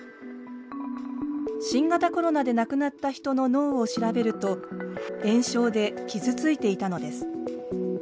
新型コロナで亡くなった人の脳を調べると炎症で傷ついていたのです。